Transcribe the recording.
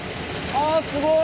あすごい！